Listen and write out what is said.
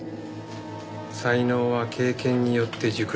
才能は経験によって熟練する。